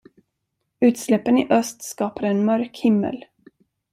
Utsläppen i öst skapade en mörk himmel.